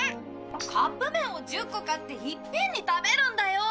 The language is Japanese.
カップ麺を１０個買っていっぺんに食べるんだよ。